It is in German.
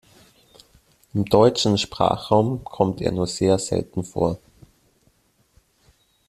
Im deutschen Sprachraum kommt er nur sehr selten vor.